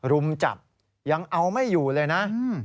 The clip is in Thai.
รุมจับยังเอาไม่อยู่เลยนะ